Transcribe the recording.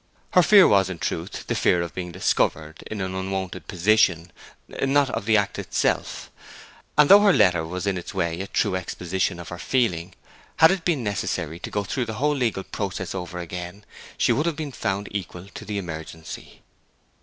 Her fear was, in truth, the fear of being discovered in an unwonted position; not of the act itself. And though her letter was in its way a true exposition of her feeling, had it been necessary to go through the whole legal process over again she would have been found equal to the emergency.